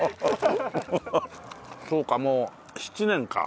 そうかもう７年か。